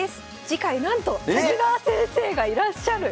次回なんと谷川先生がいらっしゃる！